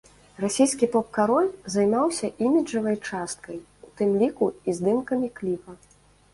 Расійскі поп-кароль займаўся іміджавай часткай, у тым ліку і здымкамі кліпа.